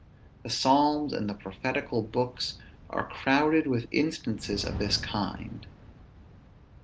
The Psalms, and the prophetical books, are crowded with instances of this kind.